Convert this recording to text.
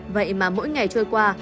vậy mà mỗi ngày trôi qua